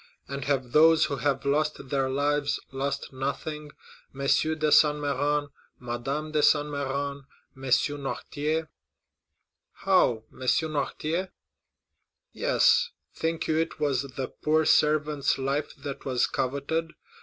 And have those who have lost their lives lost nothing?—M. de Saint Méran, Madame de Saint Méran, M. Noirtier——" "How? M. Noirtier?" "Yes; think you it was the poor servant's life was coveted?